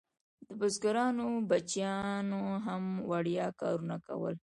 د بزګرانو بچیانو هم وړیا کارونه کول.